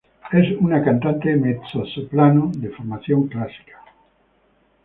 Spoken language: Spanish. Es una cantante mezzosoprano de formación clásica.